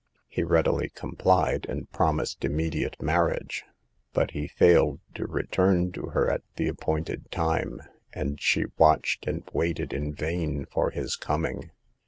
He readily complied, and promised immediate marriage; but he failed to return to her at the appointed time, and she watched and waited in vain for his coming.